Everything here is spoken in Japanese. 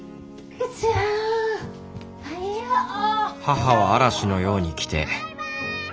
母は嵐のように来てバイバイ！